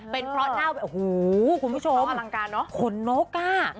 เป็นเพราะหน้าอลังการเนอะ